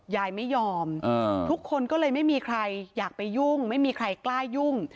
ยายไม่ยอมทุกคนก็เลยไม่มีใครอยากไปยุ่งไม่มีใครกล้ายุ่ง